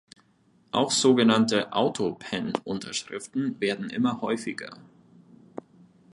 Auch sogenannte Autopen-Unterschriften werden immer häufiger.